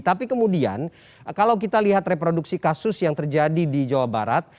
tapi kemudian kalau kita lihat reproduksi kasus yang terjadi di jawa barat